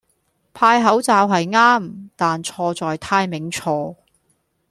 派口罩係啱,但錯在 timing 錯